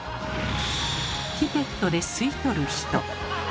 ピペットで吸い取る人。